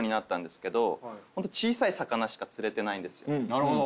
なるほど。